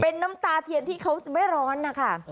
เป็นน้ำตาเทียนที่เขาไม่ร้อนนะคะ